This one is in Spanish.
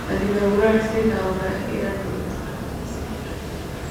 Al inaugurarse la obra, era directora la Sra.